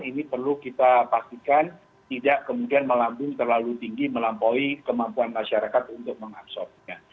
ini perlu kita pastikan tidak kemudian melambung terlalu tinggi melampaui kemampuan masyarakat untuk mengabsorbnya